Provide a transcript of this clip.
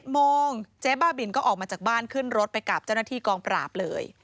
โมงเจ๊บ้าบินก็ออกมาจากบ้านขึ้นรถไปกับเจ้าหน้าที่กองปราบเลย